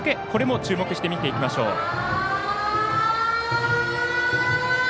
これも注目して見ていきましょう。